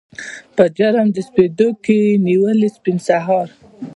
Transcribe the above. په جرم د سپېدو یې دي نیولي سپین سهار